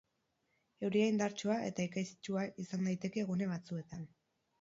Euria indartsua eta ekaiztsua izan daiteke gune batzuetan.